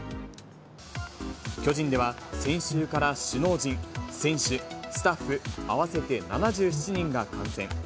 巨人では先週から首脳陣、選手、スタッフ合わせて７７人が感染。